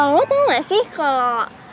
lo tau gak sih kalo